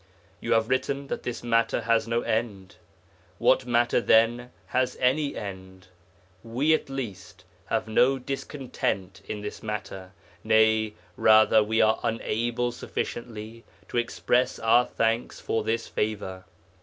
You have written that this matter has no end. What matter, then, has any end? We, at least, have no discontent in this matter; nay, rather we are unable sufficiently to express our thanks for this favour.